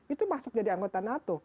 itu masuk jadi anggota nato